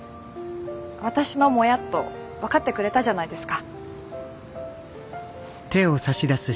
私のモヤっと分かってくれたじゃないですか。